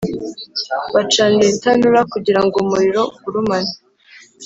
Bacanira itanura kugira ngo umuriro ugurumane,